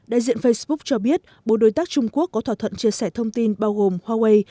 đại diện facebook cho biết bộ đối tác trung quốc có thỏa thuận chia sẻ thông tin bao gồm huawei